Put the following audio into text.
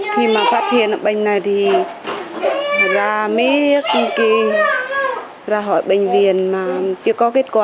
khi mà phát hiện bệnh này thì ra mấy kinh kỳ ra hỏi bệnh viện mà chưa có kết quả